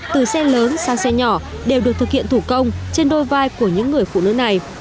từ xe lớn sang xe nhỏ đều được thực hiện thủ công trên đôi vai của những người phụ nữ này